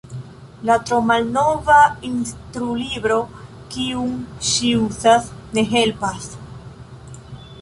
La tromalnova instrulibro, kiun ŝi uzas, ne helpas.